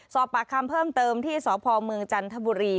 สอบปากคำเพิ่มเติมที่สพเมืองจันทบุรี